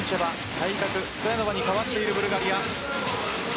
対角・ストヤノバに代わっているブルガリア。